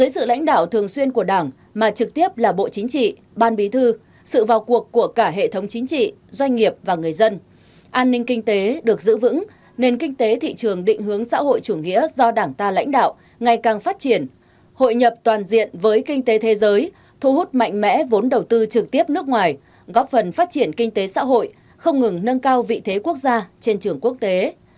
thủ tướng đề nghị lực lượng an ninh kế được giữ vững nền kinh tế thị trường định hướng xã hội chủ nghĩa do đảng ta lãnh đạo ngày càng phát triển hội nhập toàn diện với kinh tế thế giới thu hút mạnh mẽ vốn đầu tư trực tiếp nước ngoài góp phần phát triển kinh tế xã hội không ngừng nâng cao vị thế quốc gia trên trường quốc tế